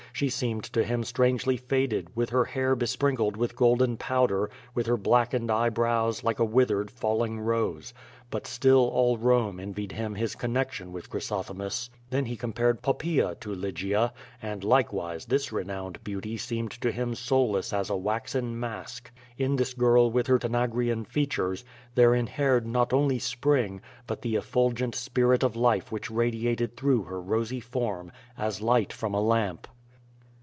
She seemed to him strangely faded^ with her hair be sprinkled with golden powder, with her blackened eyebrows, like a withered, falling rose. But still all Rome envied him his connection with Chrysothemis. Then he compared Pop paea to Lygia, and likewise this renowned beauty seemed to him soulless as a waxen mask. In this girl with her Tanag rian features, there inhered not only Spring, but the efful gent spirit of life which radiated through her rosy form, as light from a lamp.